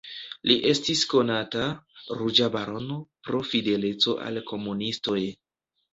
Li estis konata "Ruĝa barono" pro fideleco al komunistoj.